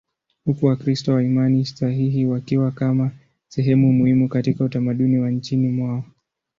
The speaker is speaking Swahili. huku Wakristo wa imani sahihi wakiwa kama sehemu muhimu katika utamaduni wa nchini mwao.